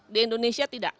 di indonesia tidak